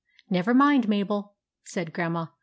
" Never mind, Mabel," said Grandma.